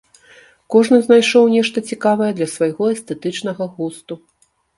Кожны знайшоў нешта цікавае для свайго эстэтычнага густу.